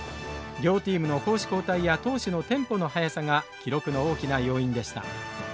両チームの攻守交代や投手のテンポの速さが記録の大きな要因でした。